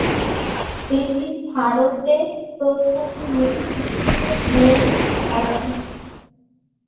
এটি ভারতে প্রথম নেটফ্লিক্সের মৌলিক ধারাবাহিক।